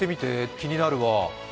気になるわ。